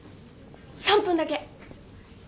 ３分だけ。